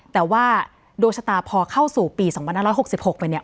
แต่ว่าดวงชะตาพอเข้าสู่ปี๒๕๖๖ไปเนี่ย